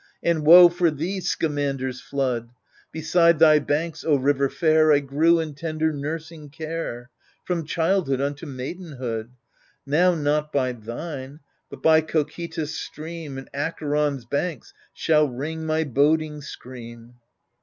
And woe for thee, Scamander's flood 1 Beside thy banks, O river fair, I grew in tender nursing care From childhood unto maidenhood 1 Now not by thine, but by Cocytus' stream And Acheron's banks shall ring my boding scream.